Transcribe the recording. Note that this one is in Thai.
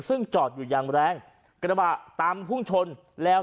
ซึ่งจอดอยู่อย่างแรงกระบะตามพุ่งชนแล้ว